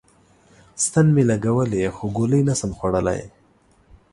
ستن می لګولی خو ګولی نسم خوړلای